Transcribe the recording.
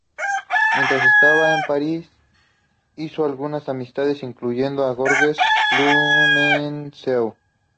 Mientras estaba en París, hizo algunas amistades, incluyendo a Georges Clemenceau.